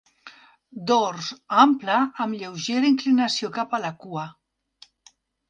Dors ample amb lleugera inclinació cap a la cua.